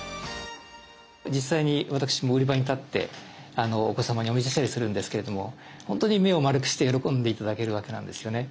実際に私も売り場に立ってお子様にお見せしたりするんですけれども本当に目を丸くして喜んで頂けるわけなんですよね。